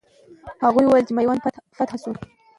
هغوی وویل چې میوند فتح سو.